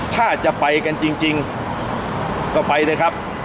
ถ้าจะไปกันจริงก็ไปเลยครับ